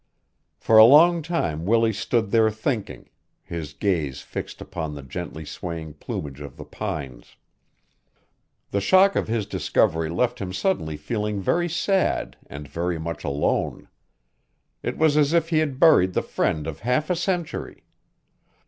For a long time Willie stood there thinking, his gaze fixed upon the gently swaying plumage of the pines. The shock of his discovery left him suddenly feeling very sad and very much alone. It was as if he had buried the friend of half a century.